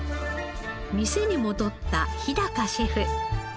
店に戻った日シェフ。